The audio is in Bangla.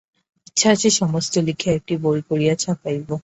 ইচ্ছা আছে, সমস্ত লিখিয়া একটি বই করিয়া ছাপাইব।